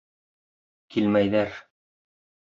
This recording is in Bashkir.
Килмәйҙәр.